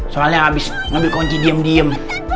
soalnya habis ngambil kunci diem diem